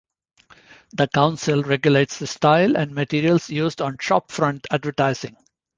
The council regulates the style and materials used on shop front advertising.